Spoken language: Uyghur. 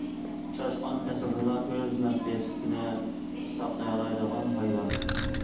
چاشقان ئەسلىدىنلا ئۆز مەخپىيەتلىكىنى ساقلىيالايدىغان ھايۋان.